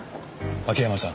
秋山さん